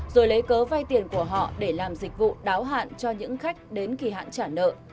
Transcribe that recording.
rồi lấy cớ vay tiền của họ để làm dịch vụ đáo hạn cho những khách đến kỳ hạn trả nợ